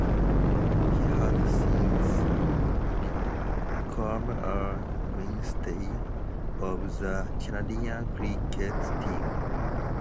He has since become a mainstay of the Canadian cricket team.